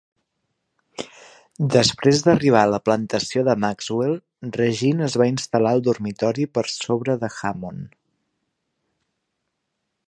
Després d'arribar a la plantació de Maxwell, Regine es va instal·lar al dormitori per sobre de Hammond.